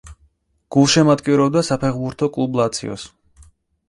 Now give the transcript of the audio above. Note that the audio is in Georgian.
გულშემატკივრობდა საფეხბურთო კლუბ ლაციოს.